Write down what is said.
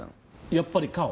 やっぱり顔？